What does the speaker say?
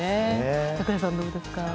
櫻井さん、どうですか？